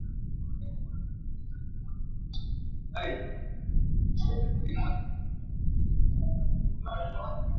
wanadai nyongeza ya mishahara na mafao mengine yalipwe kwa kutumia dola ya Marekani